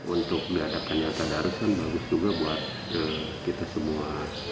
untuk diadapkan tadarus kan bagus juga buat kita semua